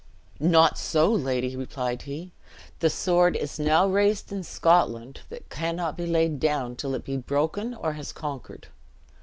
"Not so, lady," replied he; "the sword is now raised in Scotland, that cannot be laid down till it be broken or has conquered.